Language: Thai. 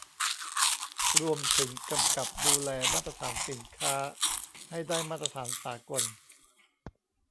รวมถึงกำกับดูแลมาตรฐานสินค้าให้ได้มาตรฐานสากล